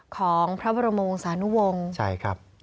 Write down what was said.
ของพระบรมวงศานุวงศ์ใช่ครับนี่นะครับ